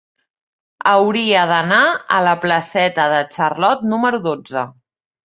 Hauria d'anar a la placeta de Charlot número dotze.